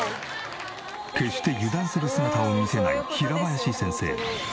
決して油断する姿を見せない平林先生。